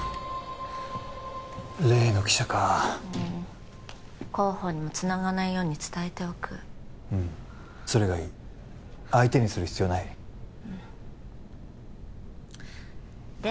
例の記者かうん広報にもつながないように伝えておくうんそれがいい相手にする必要ないうんで？